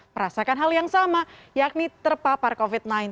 merasakan hal yang sama yakni terpapar covid sembilan belas